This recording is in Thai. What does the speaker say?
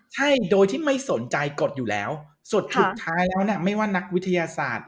ใช่โดยที่ไม่สนใจกฎอยู่แล้วสุดท้ายเขาเนี่ยไม่ว่านักวิทยาศาสตร์